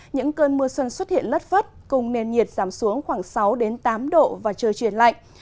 những cơn mưa xuân xuất hiện lất phất cùng nền nhiệt giảm xuống khoảng sáu tám độ và trời chuyển lạnh